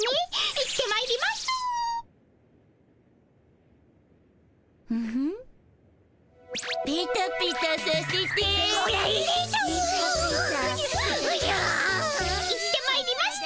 行ってまいりました。